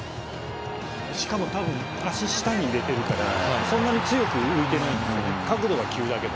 しかも足下に入れてるからそんなに強く浮いてなくて。